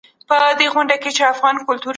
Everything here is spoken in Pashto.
په صابون لاسونه مینځل جراثیم وژني.